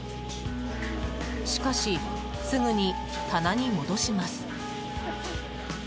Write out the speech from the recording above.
しかし、すぐに棚に戻します。